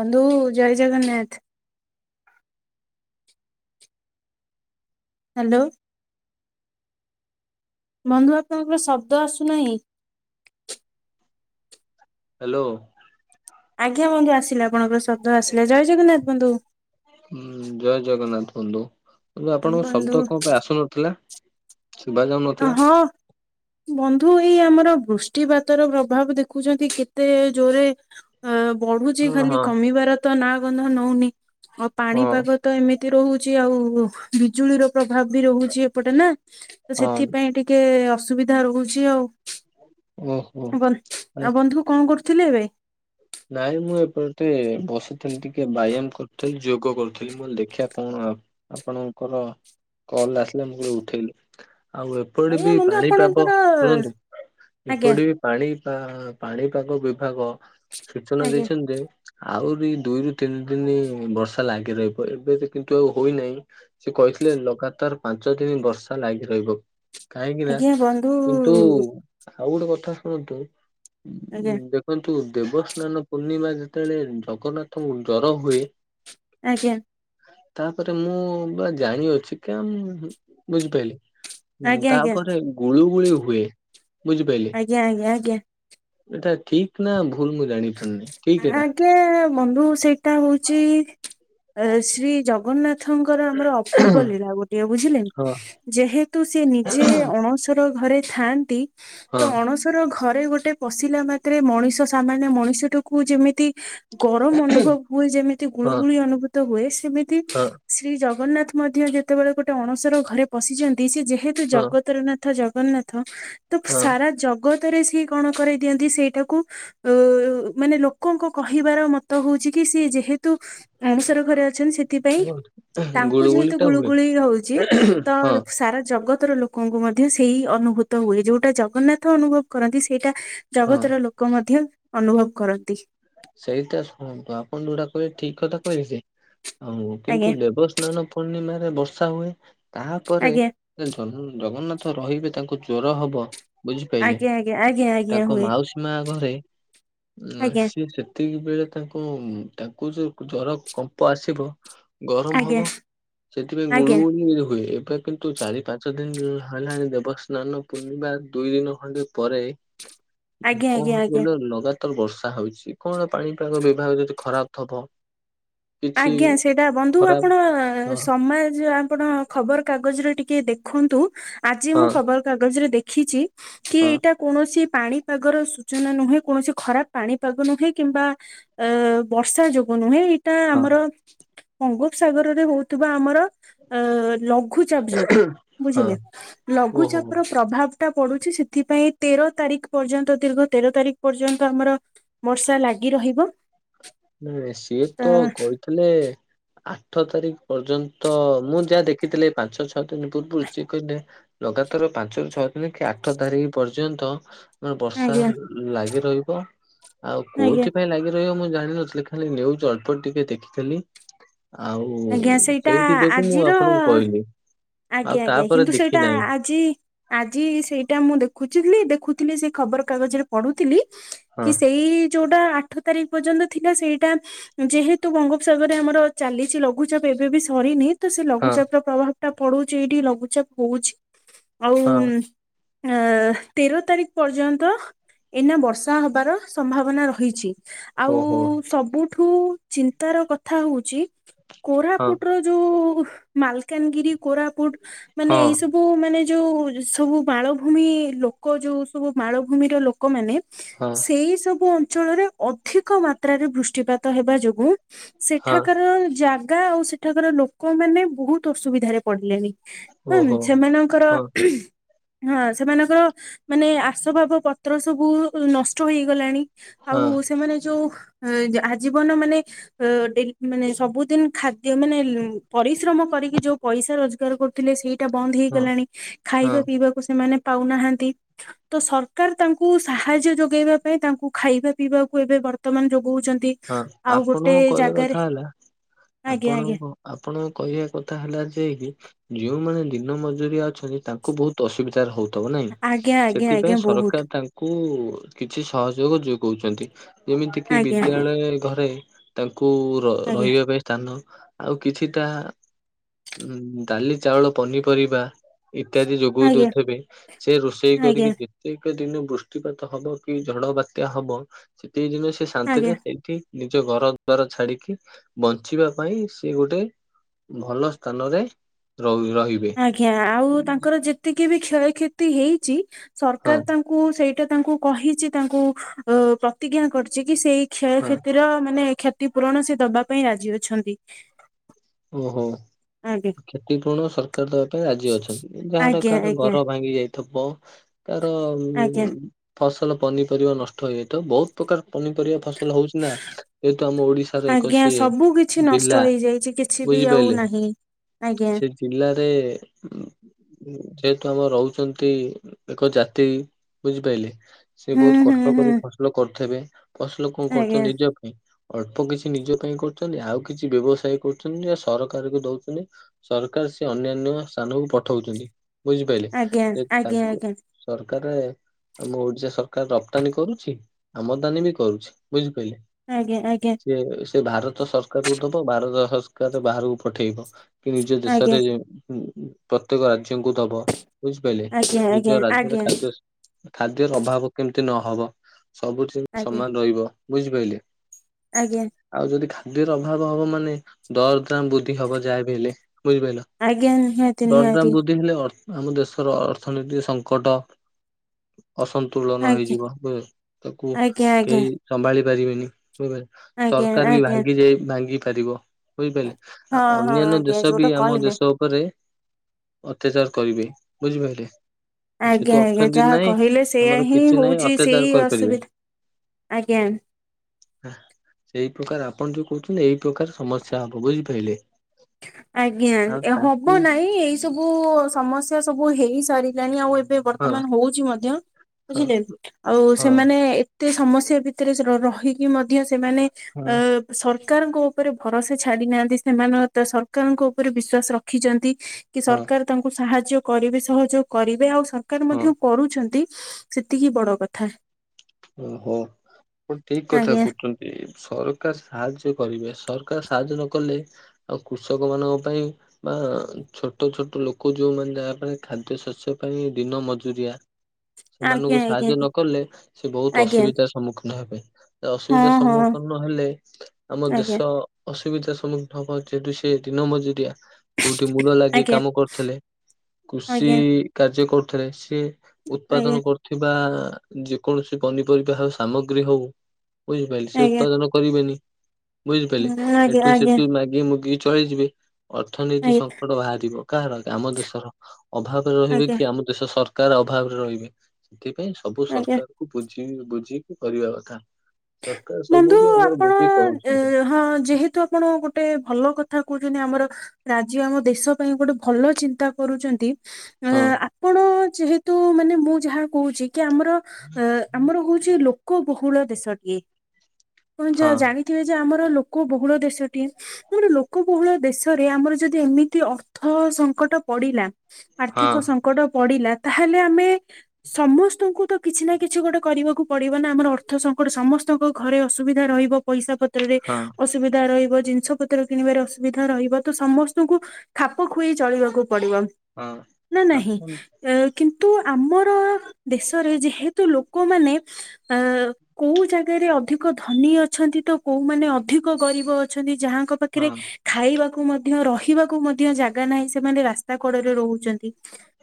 ବନ୍ଧୁ ଜୟ ଜଗନ୍ନାଥ। ହାଲୋ। ବନ୍ଧୁ ଆପଣଙ୍କର ଶବ୍ଦ ଆସୁନାହିଁ। ହାଲୋ। ଆଜ୍ଞା ବନ୍ଧୁ ଆସିଲା ଆପଣଙ୍କର ଶବ୍ଦ ଆସିଲେ ଜୟ ଜଗନ୍ନାଥ ବନ୍ଧୁ। ହୁଁ ଜୟ ଜଗନ୍ନାଥ ବନ୍ଧୁ। ବନ୍ଧୁ ଆପଣଙ୍କ ବନ୍ଧୁ ଶବ୍ଦ କଁ ପାଇଁ ଆସୁନଥିଲା? ଶୁଭା ଓ ଯାଉନଥିଲା। ହଁ। ବନ୍ଧୁ ଏଇ ଆମର ବୃଷ୍ଟିପାତର ପ୍ରଭାବ ଦେଖୁଚନ୍ତି କେତେ ଜୋରରେ ଅ ବଢୁଚି ହଁ ଖାଲି ହଁ କମିବାର ତ ନା ଗନ୍ଧ ନଉନି ଆଉ ହଁ ପାଣିପାଗ ତ ଏମିତି ରହୁଚି ଆଉ ବିଜୁଳିର ପ୍ରଭାବ ବି ରହୁଚି ଏପଟେ ନା। ତ ହଁ ସେଥିପାଇଁ ଟିକେ ଅସୁବିଧା ରହୁଛି ଆଉ। ଓହୋ। ବନ୍ ଆରେ ଆଉ ବନ୍ଧୁ କଁ କରୁଥିଲେ ଏବେ? ନାଇଁ ମୁଁ ଏପଟେ ବସିଥିଲି ଟିକେ ବ୍ୟାୟାମ କରୁଥିଲି ଯୋଗ କରୁଥିଲି ମୁଁ [unintelligible] ଦେଖିବା କଣ ଆଉ। ଆପଣଙ୍କର କଲ୍ ଆସିଲା ମୁଁ ଗେ ଉଠେଇଲୁ ଆଉ ଏ ପଟେ ଆଜ୍ଞା ବି ବନ୍ଧୁ ପାଣି କାବ ଆପଣଙ୍କର ଶୁଣନ୍ତୁ ଆଜ୍ଞା ଏପଟେ ବି ପାଣି ପା ପାଣିପାଗ ବିଭାଗ ସୂଚନା ଆଜ୍ଞା। ଦେଇଛନ୍ତି ଯେ ଆହୁରି ଦୁଇରୁୁ ତିନି ଦିନି ବର୍ଷା ଲାଗି ରହିବ ଏବେ ତ କିନ୍ତୁ ଆଉ ହୋଇନାହିଁ। ସେ କହିଥିଲେ ଲଗାତାର ପାଞ୍ଚ ଦିନି ବର୍ଷା ଲାଗି ରହିବ। କାହିଁକି ନା ଆଜ୍ଞା ବନ୍ଧୁ କିନ୍ତୁ ଆଉ ଗୋଟେ କଥା ଶୁଣନ୍ତୁ ଆଜ୍ଞା ଦେଖନ୍ତୁ ଦେବସ୍ ସ୍ନାନ ପୂର୍ଣ୍ଣିମା ଯେତେବେଳେ ଜଗନ୍ନାଥଙ୍କୁ ଜର ହୁଏ। ଆଜ୍ଞା। ତାପରେ ମୁଁ ବା ଜାଣିଅଛି କମ୍ ବୁଝିପାଇଲେ ଆଜ୍ଞା ଆଜ୍ଞା ତାପରେ ଗୁଳୁ ଗୁଳିୁ ହୁଏ ବୁଝିପାଇଲେ। [unintelligible] ଏଟା ଠିକ ନା ଭୁଲ ମୁଁ ଜାଣିଲି। ଆଜ୍ଞା ବନ୍ଧୁ ସେଇଟା ହଉଛି ଶ୍ରୀ ଜଗନ୍ନା ଙ୍କର ଆମର ଅପୂର୍ବ ଲୀଳା ଗୋଟିଏ ବୁଝିଲେ। ହଁ ଯେହେତୁ ସେ ନିଜେ ଅଣସର ଘରେ ଥାଆନ୍ତି ତ ହଁ ଅଣସର ଘରେ ଗୋଟେ ପଶିଲା ମାତ୍ରେ ମଣିଷ ସାମାନ୍ୟ ମଣିଷଟାକୁ ଯେମିତି ଗରମ ଅନୁଭବ ହୁଏ ଯେମିତି ହଁ ଗୁଳୁଗୁଳି ଅନୁଭୂତ ହୁଏ ସେମି ହଁ। ଶ୍ରୀ ଜଗନ୍ନାଥ ମଧ୍ୟ ଯେତେବେଳେ ଗୋଟେ ଅଣସର ଘରେ ପଶିଛନ୍ତି ସେ ଯେହେତୁ ହଁ ଜଗତର ନା ଥ ଜଗନ୍ନାଥ ତ ହଁ ସାରା ଜ ଜଗତରେ ସିଏ କଣ କରାଇ ଦିଅନ୍ତି ସେଇଟାକୁ ଉଁ ମାନେ ଲୋକଙ୍କ କହିବାର ମତ ହଉଛି କି ସି ଯେହେ ତୁ ଅଣସର ଘରେ ଅଛନ୍ତି ସେଥିପାଇଁ ତାଙ୍କୁ ଯେହେତୁ ଟା ହୁଏ ଗୁଳୁଗୁଳି ହଉଛି ହଁ ତ ହଁ ସାରା ଜଗତର ଲୋ କଙ୍କୁ ମଧ୍ୟ ସେଇ ଅନୁଭୂତ ହୁଏ ଯୋଉଟା ଜଗନ୍ନାଥ ଅନୁଭବ କରନ୍ତି ସେଇଟା ଜଗତର ଲୋ ଲୋକ ମଧ୍ୟ ଅନୁଭବ କରନ୍ତି। ସେଇଟା ଶୁଣନ୍ତୁ ଆପଣ ଯୋଉଟା କହିଲେ ଠିକ କଥା କହିଲେ ଯେ ଆଉ କିନ୍ତୁ ଆଜ୍ଞା ଦେବଶ୍ ସ୍ନାନ ପୂର୍ଣ୍ଣିମାରେ ବର୍ଷା ହୁଏ ତାହାପରେ ଆଜ୍ଞା ଜଗନ୍ନାଥ ରହିବେ ତାଙ୍କୁ ଜ୍ଜର ହବ ବୁଝିପାରିଲେ ଆଜ୍ଞା ଆଜ୍ଞା ଆଜ୍ଞା ଆଜ୍ଞା ତାଙ୍କ ହୁଏ ମାଉସୀ ମା ଘରେ ଉଁ ଆଜ୍ଞା ସେତିକି ବେଳେ ତାଙ୍କୁ ତାଙ୍କୁ ଯୋଉ ଜର କମ୍ପ ଆସିବ ଗରମ ଆଜ୍ଞା ହବ ସେଥିପାଇଁ ଗୁଳୁ ଆଜ୍ଞା ଗୁଳି ହୁଏ ଏବେ କି ନ୍ତୁ ଚାରି ପାଞ୍ଚ ଦିନ ହେଲାଣି ଦେବସ୍ନାନ ପୂର୍ଣ୍ଣିମା ଦୁଇ ଦିନ ଖଣ୍ଡେ ପରେ ଆଜ୍ଞା କଣ ଆଜ୍ଞା ହଉଛି ଆଜ୍ଞା କଇଲ ଲଗାତାର ବର୍ଷା ହଉଛି କଣ ପାଣିପାଗ ବିଭାଗ ଯଦି ଖରାପ ଥବ। କିଛି ଆଜ୍ଞା ସେଇଟା ବନ୍ଧୁ ଖରାପ ଆପଣ ହଁ ସମାଜ ଆପଣ ଖବର କାଗଜ ରେ ଟିକେ ଦେଖନ୍ତୁ ଆଜି ହଁ ମୁଁ ଖବର କାଗଜ ରେ ଦେଖିଛି କି ହଁ ଏଇଟା କୌଣସି ପାଣି ପାଗର ସୂଚନା ନୁହେଁ କୌଣସି ଖରାପ ପାଣି ପାଗ ନୁହେଁ କିମ୍ବା ଅ ବର୍ଷା ଯୋଗୁ ନୁହେଁ ତା ହଁ ଆମର ବଙ୍ଗୋପସାଗରରେ ହଉଥିବା ଆମର ଅ ଲ ଘୁଚାପ ଯୋଗୁ ହଁ ବୁଝିଲେ ଓହୋ ଲଘୁଚାପ ର ପ୍ରଭାବ ଟା ପଡୁଛି ସେଥିପାଇଁ ତେର ତାରିଖ ପର୍ଯ୍ୟନ୍ତ ଦୀର୍ଘ ତେର ତାରିଖ ପର୍ଯ୍ୟନ୍ତ ଆମର ବର୍ଷା ଲାଗି ରହିବ। ନ ସିଏ ତ କହିଥିଲେ ଆଠ ତାରିଖ ପର୍ଯ୍ୟନ୍ତ ମୁଁ ଯାହା ଦେଖିଥିଲି ପାଞ୍ଚ ଛଅ ଦିନ ପୂର୍ବରୁ ଯିଏ କହିଲେ ଲଗାତାର ପାଞ୍ଚରୁ ଛଅ ଦିନ କି ଆଠ ତାରିଖ ପର୍ଯ୍ୟନ୍ତ ଉଁ ବର୍ଷା ଆଜ୍ଞା ଲାଗି ରହିବ ଆଉ ଆଜ୍ଞା କୋଉଥିପାଇଁ ଲାଗି ରହିବ ମୁଁ ଜାଣିନଥି ଖାଲି ନିୟୁଜ୍ ଅଳ୍ପ ଟିକେ ଦେଖିଥିଲି। ଆଉ ଆଜ୍ଞା ସେଇଟା ସେଇଥି ଯୋଗୁ ମୁଁ ଆଜିର ଆପଣଙ୍କୁ କହିଲି ଆଉ ଆଜ୍ଞା ଆଜ୍ଞା ତାପରେ କିନ୍ତୁ ଦେଖି ସେଇଟା ନାହିଁ। ଆଜି ଆଜି ସେଇଟା ମୁଁ ଦେଖୁଥିଲି ଦେଖୁଥିଲି ସେ ଖବର କାଗଜରେ ପଢୁଥିଲି ହଁ କି ସେଇ ଯୋଉଟା ଆଠ ତାରିଖ ପର୍ଯ୍ୟନ୍ତ ଥିଲା ସେଇଟା ଯେହେତୁ ବଙ୍ଗୋପସାଗରେ ଆମର ଚାଲିଛି ଲ ଲଘୁଚାପ ଏବେବି ସରିନି ହଁ ତସେଲଘୁଚାପର ପ୍ରଭାବଟା ପଡ଼ୁଚି ଏଇଠି ଲଘୁଚାପ ହଉଚି। ଆଉ ହଁ ଏ ତେର ତାରିଖ ପର୍ଯ୍ୟନ୍ତ ଏଇନା ବର୍ଷା ହବାର ସମ୍ଭାବନା ରହିଛି। ଆଉ ଓହୋ ସବୁଠୁ ଚିନ୍ତାର କଥା ହେଉଚି ହଁ କୋରାପୁଟର ଯୋଉ ମାଲକାନଗିରି କୋରାପୁଟ ମାନେ ହଁ ଏଇ ସବୁ ସବୁ ମାନେ ଯୋଉ ସବୁ ମାଳଭୂମି ଲୋକ ଯୋଉ ସବୁ ମାଳଭୂମିର ଲୋ ଲୋକମାନୋନ ହଁ ସେଇ ସବୁ ଅଞ୍ଚଳରେ ଅଧିକ ମାତ୍ରାରେ ବୃଷ୍ଟିପାତ ହେବା ଯୋଗୁ ହଁ ସେଠା କାରଣ ଜା ଜାଗା ଆଉ ସେଠାକାର ଲୋକ ମାନେ ବହୁତ୍ ଅସୁବିଧାରେ ପଡ଼ିଲେଣି ଓହୋ [unintelligible] ସେମାନଙ୍କର ହଁ ହଁ ସେମାନଙ୍କର ମାନେ ଆସଭାବ ପତ୍ର ସବୁ ନଷ୍ଟ ହେଇଗଲାଣି ଆଉ ହଁ ସେମାନେ ଯୋଉ ଅଁ ଆଜୀବନ ମାନେ ଅଁ ଡଲି ମାନେ ସବୁଦିନ୍ ଖାଦ୍ୟ ମାନେ ପରିଶ୍ରମ କରିକି ଯୋଉ ପଇସା ରୋଜଗାର କରୁ ଥିଲେ ସେଇଟା ବନ୍ଦ ହଁ ହେଇଗଲାଣି ଖାଇବା ହଁ ପିଇବାକୁ ସେମାନେ ପାଉନାହାନ୍ତି। ତ ସରକାର ତାଙ୍କୁ ସାହାଯ୍ୟ ଯୋଗେଇବା ପାଇଁ ତାଙ୍କୁ ଖାଇବା ପିଇବାକୁ ଏବେ ବର୍ତ୍ତମାନ ଯୋଗଉଚନ୍ତି। ହଁ ଆପଣଙ୍କ କହିବା କଥା ହେଲା ଆଜ୍ଞା ଆଜ୍ଞା ଆପଣଙ୍କ ଆପଣ କହିବା କଥା ହେଲାଯେ କି ଯୋଉମାନେ ଦିନ ମଜୁରିଆ ଅଛନ୍ତି ତାଙ୍କୁ ବହୁତ୍ ଅସୁବିଧାରେ ହଉ ଥିବ ନାଇଁ ଆଜ୍ଞା ଆଜ୍ଞା ଆଜ୍ଞା ସେଥିପାଇଁ ବହୁତ। ସରକାର ତା କୁ କିଛି ସହଯୋଗ ଯୋଗଉଚନ୍ତି ଯେମିତିକିି ବି ଆଜ୍ଞା ଏଘରେ ତାଙ୍କୁ ର ଆଜ୍ଞା ରହିବା ପାଇଁ ସ୍ଥାନ ଆଉ କିଛିଟା ଉ ଡାଲି ଚାଉଳ ପନିପରିବା ଇତ୍ୟାଦି ଯୋଗ ଆଜ୍ଞା ଦଉଥିବେ ସେରୋଷେଇ ଆଜ୍ଞା କରିକି ସେଇକ ଦିନ ବୃଷ୍ଟିପାତ ହବ କିଝଡ଼ ବାତ୍ୟା ହବ ସେତିକି ଦିନେ ଆଜ୍ଞା। ସେଶାନ୍ତିରେ ଏଠି ନିଜ ଘର ଦ୍ବାର ଛାଡ଼ିକି ବଞ୍ଚିବା ପାଇଁ ସେଗୋଟେ ଭଲ ସ୍ଥାନରେ ର ରହି ଆଜ୍ଞା ଆଉ ତାଙ୍କର ଯେତିକିବି କ୍ଷୟକ୍ଷତି ହେଇଚି ହଁ ସରକାର ତା କୁ ସେଇଟା ତାଙ୍କୁ କହିଚି ତାଙ୍କୁ ପ୍ରତିଜ୍ଞା କରିଚିକି ସେଇ ହଁ କ୍ଷୟକ୍ଷତିର ମାନେ କ୍ଷତି ପୂରଣ ସେଦବା ପାଇଁ ରାଜି ଅଛନ୍ତି। ଓହୋ। ଆଜ୍ଞା କ୍ଷତିପୂରଣ ସରକାର ଦବା ପାଇଁ ରାଜି ଅଛନ୍ତି ଯାହାର ଆଜ୍ଞା କାହାର ଆଜ୍ଞା ଘର ଭାଙ୍ଗି ଯାଇ ଥବ କାର ଆଜ୍ଞା ଫସଲ ପନିପରିବା ନଷ୍ଟ ହେଇଯାଥିବ ବହୁତ୍ ପ୍ରକାର ପନିପରିବା ଫସଲ ହଉଚିନା ଯେହେତୁ ଆମ ଓଡିଶାର ଏକ ସିଏ ଜିଲ୍ଲା ଯାଉଚି କିଛି ବି ଆଉ ବୁଝିପାରିଲେ ନାହିଁ ଆଜ୍ଞା ସେଜିଲ୍ଲାରେ ଯେହେତୁ ଆମର ରହୁଚନ୍ତି ଏକ ଜାତି ବୁଝିପାରିଲେ। ହୁଁ ସେବହୁତ୍ ହୁଁ କଷ୍ଟ ହୁଁ କରି ଫସଲ କରୁଥିବେ ଫସଲ କଁ କରୁଚନ୍ତି ଆଜ୍ଞା ନିଜ ଅଳ୍ପ କିଛି ନିଜ ପାଇଁ କରୁଚନ୍ତି ଆଉ କିଛି ବ୍ୟବସାୟ କରୁ [unintelligible] ସରକାରକୁ ଦଉଚନ୍ତି ସରକାର ସେଅନ୍ୟାନ୍ୟ ସ୍ଥାନକୁ ପଠଉଚନ୍ତି। ବୁଝିପାରିଲେ ଆଜ୍ଞା ଆଜ୍ଞା ଯେତାଙ୍କୁ ଆଜ୍ଞା ସରକାରରେ ଆମ ଓଡ଼ିଶା ସରକାର ରକ୍ତାନୀ କରୁଚି ଆମଦାନୀବି କରୁଚି ବୁଝିପିରିଲେ। ଆଜ୍ଞା ଆଜ୍ଞା। ଏ ସେଭାରତ ସରକାରକୁ ଦବ ଭାରତ ସରକାର ବାହାରକୁ ପଠେଇବ କିନିଜ ଦେଶରେ ପ୍ରତ୍ୟେକ ରାଜ୍ୟଙ୍କୁ ଦବ ବୁଝିପାରିଲେ। ଆଜ୍ଞା ଆଜ୍ଞା ନିଜ ଆଜ୍ଞା ରାଜ୍ୟରେ ଖାଦ୍ୟ ଖାଦ୍ୟର ଅଭାବ କେମିତି ନହବ, ସବୁଥି ଆଜ୍ଞା ସମାନ ରହିବ ବୁଝିପାରିଲେ। ଆଜ୍ଞା। ଆଉ ଯଦି ଖାଦ୍ୟର ଅଭାବ ହବ ମାନେ। ଦରଦାମ ବୃଦ୍ଧି ହବ ଯାହା ବି ହେଲେ ବୁଝିପାରିଲ। ଆଜ୍ଞା ନିହାତି ନିହାତି ଦରଦାମ ବୃଦ୍ଧି ହେଲେ ଆମ ଦେଶର ଅର୍ଥନୀତି ସଙ୍କଟ। ଅସନ୍ତୁଳନ ଆଜ୍ଞା ହେଇଯିବ। ହଁ ତାକୁ ଆଜ୍ଞା ଆଜ୍ଞା କେହି ସମ୍ଭାଳି ପାରିବେନି। ବୁଝପାରିଲ ଆଜ୍ଞା ସରକାର ବି ଆଜ୍ଞା ଭାଙ୍ଗି ଯାଇ, ଭାଙ୍ଗି ପାରିବ। ହୋଇପାରିଲେ ହଁ ଆଉ ହଁ ଅନ୍ୟାନ୍ୟ ଆଜ୍ଞା ଦେଶ ବି ଯୋଉଟା ଆମ କହିଲେ ଦେଶ। ଉପରେ ଅତ୍ୟାଚାର କରିବେ ବୁଝିପାରିଲେ। ଆଜ୍ଞା। ଯେହେତୁ ଆଜ୍ଞା। ଅର୍ଥନୀତି ଯାହା ନାହିଁ କହିଲେ ସେୟା ଆମର ହିଁ କିଛି ନାହିଁ ହଉଛି। ଅତ୍ୟାଚାର ସେଇ କରିପାରିବେ ଅସୁବିଧା ଆଜ୍ଞା। ସେଇ ପ୍ରକାର ଆପଣ ଯୋଉ କହୁଛନ୍ତି, ଏଇ ପ୍ରକାର ସମସ୍ତେ ତାହା ବୁଝିାରିଲେ। ଆଜ୍ଞା। ହବ ନାଇଁ, ଏଇ ସବୁ ସମସ୍ୟା ସବୁ ହେଇ ସାରିଲାଣି। ଆଉ ହଁ ବର୍ତ୍ତମାନ ହଉଛି ମଧ୍ୟ ହଁ ବୁଝିଲେ, ଆଉ ହଁ ସେମାନେ। ତେ ସମସ୍ୟା ଭିତରେ ରହିକି ମଧ୍ୟ ସେମାନେ। ହଁ। ଅ ସରକାରଙ୍କ ଉପରେ ଭରସା ଛାଡି ନାହାନ୍ତି ସେମାନେ। ତ ସରକାରଙ୍କ ଉପରେ ବିଶ୍ୱାସ ରଖିଛନ୍ତି। କି ହଁ ସରକାର୍ ତାଙ୍କୁ ସାହାଯ୍ୟ କରିବେ, ସହଯୋଗ କରିବେ। ଆଉ ସରକାର ହଁ ମଧ୍ୟ କରୁଛନ୍ତି। ସେତିକି ବଡ କଥା। ଓହୋ। ଆପଣ ଠିକ୍ ଆଜ୍ଞା କଥା କହୁଛନ୍ତି। ସରକାର ସାହାଯ୍ୟ କରିବେ ସରକାର ସାହାଯ୍ୟ ନକଲେ। ଆଉ କୃଷକ ମାନଙ୍କ ପାଇଁ ବା ଛୋଟ, ଛୋଟ ଲୋକ ଯୋଉ ମାନେ ଯାହା ପାଇଁ ଖାଦ୍ୟ ଶସ୍ୟ ପାଇଁ ଦିନ ମଜୁରିଆ ଆଜ୍ଞା ସେମାନଙ୍କୁ ଆଜ୍ଞା ସାହାଯ୍ୟ ନକଲେ, ସେ ବହୁତ ଆଜ୍ଞା ଅସୁବିଧାର ସମ୍ମୁଖୀନ ହେବେ। ହଁ ଅସୁବିଧା ହଁ ସମ୍ମୁଖୀନ ହେଲେ ଆମ ଆଜ୍ଞା ଦେଶ। ଅସୁବିଧା ସମ୍ମୁଖୀନ ହବ। ଯେହେତୁ ସେ ଦିନ ମଜୁରିଆ। କୋଉଠି ମୁଲ ଲାଗି ଆଜ୍ଞା କାମ କରୁଥିଲେ, କୃଷି ଆଜ୍ଞା କାର୍ଯ୍ୟ କରୁଥିଲେ ସିଏ। ଆଜ୍ଞା ଉତ୍ପାଦନ କରୁଥିବା ଯେକୌଣସି ପନିପରିବା ହେଉ ଯେକୌଣସି ସାମଗ୍ରୀ ହଉ। ବୁଝିପାରିଲେ ସେ ଆଜ୍ଞା ଉତ୍ପାଦନ କରିବେନି। ବୁଝିପାରିଲେ, ଆଜ୍ଞା ଏଠୁ, ଆଜ୍ଞା ସେଠୁ ମାଗିକି। ମୁଗି ଚଳିଯିବେ ଅର୍ଥନୀତି ଆଜ୍ଞା ସଙ୍କଟ ବାହାରିବ। କାହାର ଆମ ଦେଶର। ଅଭାବ ରହିବେ ଆଜ୍ଞା କି ଆମ ଦେଶ ସରକାର ଅଭାବରେ ରହିବେ। ସେଥିପାଇଁ ସବୁ ଆଜ୍ଞା ସରକାର। ବୁଝି, ବୁଝିକି କରିବା କଥା। ସରକାର ବନ୍ଧୁ ସବୁ ବି ଆମର ଆପଣ, ବୁଝିକି କରୁଛନ୍ତି ହଁ ଯେହେତୁ ଆପଣ ଗୋଟେ। ଗୋଟେ ଭଲ କଥା କହୁଛନ୍ତି। ଆମର ରାଜ୍ୟ, ଆମ ଦେଶ ପାଇଁ ଗୋଟେ ଭଲ ଚିନ୍ତା କରୁଛନ୍ତି। ଅ ହଁ ଆପଣ ଯେହେତୁ ମାନେ ମୁଁ ଯାହା କହୁଛି। କି ଆମର ଅ ଆମର ହଉଛି ଲୋକ ବହୁଳ ଦେଶଟିଏ। ଆପଣ ଯ ହଁ ଜାଣିଥିବେ ଯେ ଆମର ଲୋକ ବହୁଳ ଦେଶଟିଏ। ଗଟେ ଲୋକବହୁଳ ଦେଶରେ, ଆମର ଯଦି ଏମିତି ଅର୍ଥ ସଙ୍କଟ ପଡିଲା। ହଁ ଆର୍ଥିକ ସଙ୍କଟ ପଡିଲା, ତାହେଲେ ଆମେ ସମସ୍ତଙ୍କୁ ତ କିଛି ନା କିଛି ଗୋଟେ କରିବାକୁ ପଡିବ ନା। ଆମର ଅର୍ଥ ସଙ୍କଟ ସମସ୍ତଙ୍କ ଘରେ ଅସୁବିଧା ରହିବ। ପଇସା ପତ୍ରରେ ହଁ ଅସୁବିଧା ରହିବ। ଜିନିଷ ପତ୍ର ପତ୍ର କିଣିବାରେ ଅସୁବିଧା ରହିବ। ତ ସମସ୍ତଙ୍କୁ ଖାପ ଖୁଆଇ ଚଳିବାକୁ ପଡିବ। ହଁ। ନାଁ ନାହିଁ। ଆପଣ ଏ କିନ୍ତୁ ଆମର ଦେଶରେ ଯେହେତୁ ଲୋକମାନେ ଅ କୋଉ ଜାଗାରେ‌ ଅ ଅଧିକ ଧନୀ ଅଛନ୍ତି ତ କୋଉମାନେ ଅଧିକ ଗରିବ ଅଛନ୍ତି ଯାହାଙ୍କ ପାଖରେ ହଁ ଖାଇବାକୁ ମଧ୍ୟ ରହିବାକୁ ମଧ୍ୟ ଜାଗା ନାହିଁ। ସେମାନେ ରାସ୍ତା କଡରେ ରହୁଚନ୍ତି।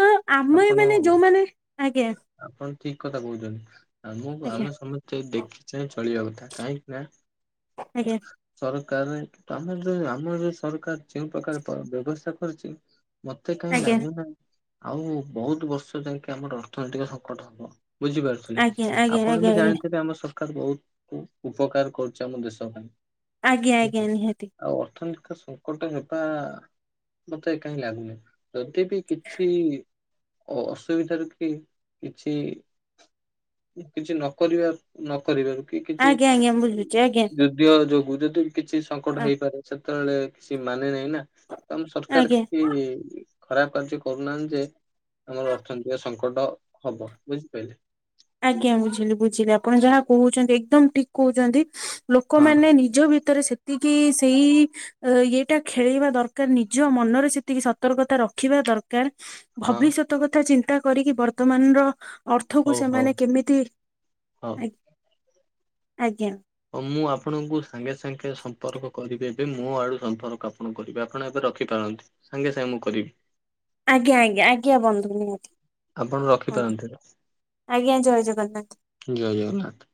ତ ଆମ ଆପଣ ଏଇମାନେ ଯୋଉ ମାନେ ଆଜ୍ଞା ଆପଣ ଠିକ୍ କଥା କହୁଛନ୍ତି। ଆମକୁ ଆଜ୍ଞା ଆମେ ସମସ୍ତେ କି ଦେଖି ଚାହିଁ ଚଳିବା କଥା କାହିଁକି ନାଁ ଆଜ୍ଞା। ସରକାର କି ଆମର ଯୋଉ ଆମର ଯୋଉ ସରକାର ଯୋଉଁ ପ୍ରକାର ବ୍ୟବସ୍ଥା କରିଛି। ମତେ କାହିଁ ଆଜ୍ଞା ଲାଗୁନାହିଁ। ଆଉ ବହୁତ ବର୍ଷ ଯାଇକି ଆମର ଅର୍ଥନୈତିକ ସଙ୍କଟ ହବ ଆଜ୍ଞା ବୁଝିପାରୁଛ। ଆଜ୍ଞା ଆପଣ ଆଜ୍ଞା ବି ଆଜ୍ଞା ଜାଣିଥିବେ ଆମ ସରକାର ବହୁତ ଉପକାର କରୁଛି ଆମ ଦେଶ ଆଜ୍ଞା ପାଇଁ। ଆଜ୍ଞା ନିହାତି ଆଉ ଅର୍ଥନୀତି ତ ଶୁଣ। ଗଟ ନେବା ମତେ କାହିଁ ଲାଗୁନି ଯଦି ବି କିଛି ଅସୁବିଧାରୁ କି କିଛି କିଛି ନ କରିବା ନ କରିବାରୁ କି କିଛି। ଆଜ୍ଞା ଆଜ୍ଞା ବୁଝୁଛି ଆଜ୍ଞା ଯୋଗୁଁ ଯଦି କିଛି ସଙ୍କଟ ଆ- ହେଇପାରେ ସେତେବେଳେ କିଛି ମାନେ ନାହିଁ ନା। କଣ ସରକାର ଆଜ୍ଞା କିଛି ଖରାପ କାର୍ଯ୍ୟ କରୁନାହାନ୍ତି ଯେ ଆମର ଅର୍ଥନୈତିକ ସଙ୍କଟ ହବ ବୁଝିପାରିଲେ ଆଜ୍ଞା ବୁଝିଲି ବୁଝିଲି ଆପଣ ଯାହା କହୁଛନ୍ତି ଏକଦମ ଠିକ କହୁଛନ୍ତି ହଁ ଲୋକମାନେ ନି ନି ଭିତରେ ସେତିକି ସେଇ ଅ ଇଟା ଖେଳେଇବା ଦରକାର ନିଜ ମନରେ ସେତିକି ସତର୍କତା ରଖିବା ଦରକାର। ହଁ ଭବିଷ୍ୟତ କଥା ଚିନ୍ତା କରିକି, ବର୍ତ୍ତମାନର ଅର୍ଥକୁ ହଉ ହଉ ସେମାନେ କେମିତି? ହଉ। ଆା ଆଜ୍ଞା। ହ ମୁଁ ଆପଣଙ୍କୁ ସାଙ୍ଗେ ସାଙ୍ଗେ ସମ୍ପର୍କ କରିବି ଏବେ ମୋ ଆଡୁ ସମ୍ପର୍କ ଆପଣ କରିବେ ଆପଣ ଏବେ ରଖିପାରନ୍ତି। ସାଙ୍ଗେ ସାଙ୍ଗେ ମୁଁ କରିବି। ଆଜ୍ଞା ଆଜ୍ଞା ଆଜ୍ଞା। ବଧୁ ନିହାତି। ଆପଣ ହ ରଖିପାରନ୍ତି ଆଜ୍ଞା ଜୟ ଜଗନ୍ନାଥ। ଜୟ ଜଗନ୍ନାଥ।